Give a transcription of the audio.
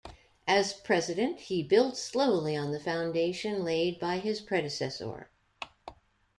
As president he built slowly on the foundation laid by his predecessor.